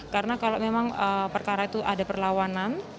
karena kalau memang perkara itu ada perlawanan